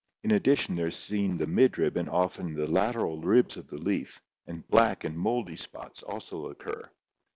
In addition there is seen the midrib and often the lateral" ribs of the leaf, and black and mouldy spots also occur.